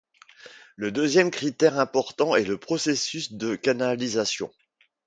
Le deuxième critère important est le processus de canalisation.